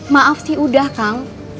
maaf sih udah kang